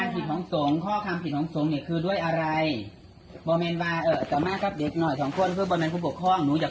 มีข้อตกลงหรือว่าข้อลงตรวจแบบไหน